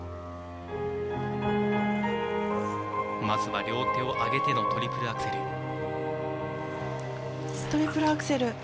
まずは両手を上げてのトリプルアクセル。